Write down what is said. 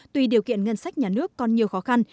tuy điều kiện ngân sách nhà nước còn nhiều khó khăn